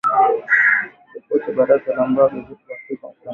Ripoti ya Baraza la ambayo gazeti la Afrika mashariki